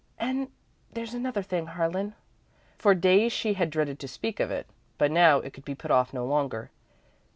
"And there's another thing, Harlan." For days she had dreaded to speak of it, but now it could be put off no longer.